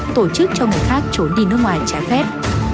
tổ chức cho người khác trốn đi nước ngoài trái phép